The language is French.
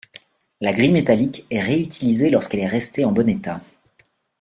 La grille métallique est réutilisée lorsqu'elle est restée en bon état.